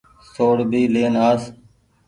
سوڙ ڀي لين آس۔